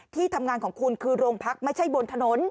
ที่ทำงานของคุณคือโรงพักไม่ใช่บนถนน